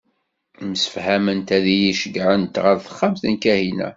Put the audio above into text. Msefhament ad iyi-ceggɛent ɣer texxamt n Kahina.